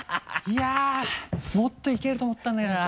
いやぁもっといけると思ったんだけどな。